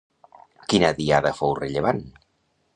Quina diada fou rellevant?